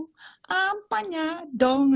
beri page nya juga